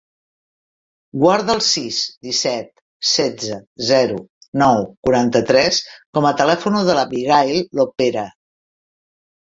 Guarda el sis, disset, setze, zero, nou, quaranta-tres com a telèfon de l'Abigaïl Lopera.